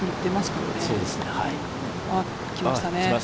来ましたね。